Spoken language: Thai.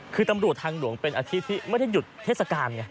คือตำรวจทางหลวงเป็นอาทิตย์ที่ไม่ได้หยุดเทศกาลไง